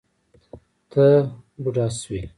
ته بوډه شوې